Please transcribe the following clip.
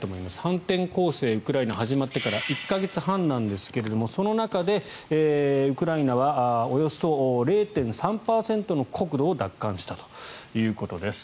反転攻勢ウクライナ始まってから１か月半なんですがその中でウクライナはおよそ０．３％の国土を奪還したということです。